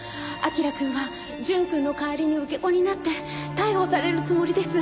彬くんは淳くんの代わりに受け子になって逮捕されるつもりです！